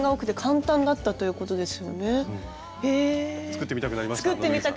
作ってみたくなりました？